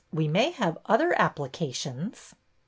^'We may have other applications."